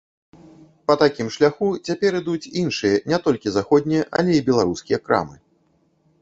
Па такім шляху цяпер ідуць і іншыя не толькі заходнія, але і беларускія крамы.